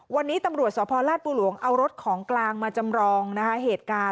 วันนี้ตำรวจสพลาดบูหลวงเอารถของกลางมาจำลองนะคะเหตุการณ์